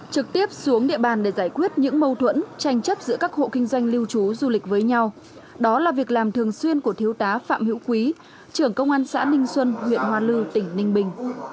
trực tiếp xuống địa bàn để giải quyết những mâu thuẫn tranh chấp giữa các hộ kinh doanh lưu trú du lịch với nhau đó là việc làm thường xuyên của thiếu tá phạm hữu quý trưởng công an xã ninh xuân huyện hoa lư tỉnh ninh bình